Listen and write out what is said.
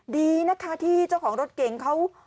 ดีนะคะที่เจ้าของรถเก๋งเขา